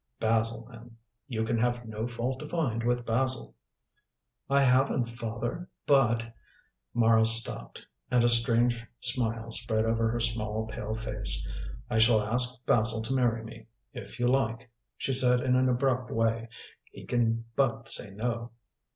"Basil, then. You can have no fault to find with Basil." "I haven't, father, but" Mara stopped, and a strange smile spread over her small, pale face "I shall ask Basil to marry me, if you like," she said in an abrupt way. "He can but say no."